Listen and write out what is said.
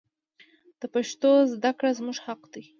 د پښتو زده کړه زموږ حق دی.